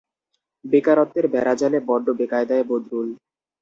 বেকারত্বের বেড়াজালে বড্ড বেকায়দায় বদরুল।